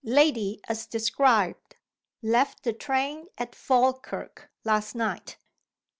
Lady, as described, left the train at Falkirk last night.